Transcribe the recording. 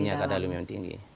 yang punya kadar aluminium tinggi